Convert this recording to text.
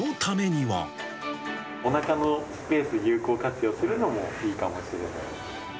おなかのスペース有効活用するのも、いいかもしれない。